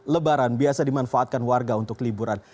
lebaran biasa dimanfaatkan warga untuk liburan